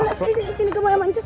sini sini sini gemoy yang manjut